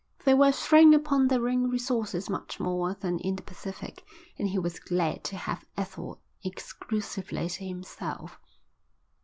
They were thrown upon their own resources much more than in the Pacific, and he was glad to have Ethel exclusively to himself.